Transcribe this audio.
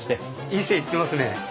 いい線いってますね。